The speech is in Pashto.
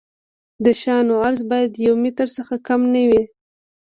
د شانو عرض باید د یو متر څخه کم نه وي